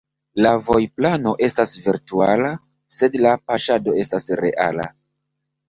La vojplano estas virtuala, sed la paŝado estas reala.